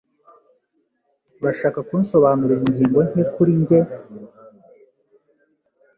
Urashaka kunsobanurira ingingo nke kuri njye?